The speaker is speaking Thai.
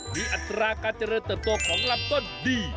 มีอัตราการเจริญเติบโตของลำต้นดี